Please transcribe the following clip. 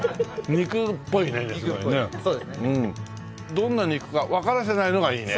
どんな肉かわからせないのがいいね。